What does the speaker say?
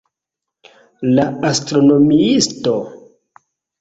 La astronomiisto?